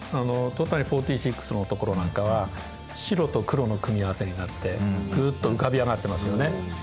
「戸谷４６」のところなんかは白と黒の組み合わせになってグッと浮かび上がってますよね。